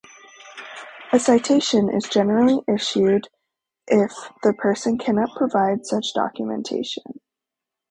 A citation is generally issued if the person cannot provide such documentation.